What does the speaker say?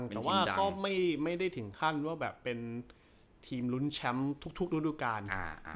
แต่ว่าก็ไม่ไม่ได้ถึงขั้นว่าแบบเป็นทีมลุ้นแชมป์ทุกทุกทุกทุกการอ่าอ่า